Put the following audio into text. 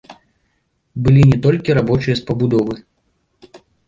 Былі не толькі рабочыя з пабудовы.